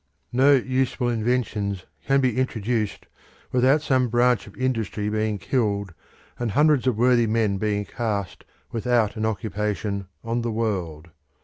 No useful inventions can be introduced without some branch of industry being killed and hundreds of worthy men being cast, without an occupation, on the world.